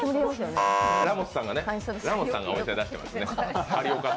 ラモスさんがお店出してますね。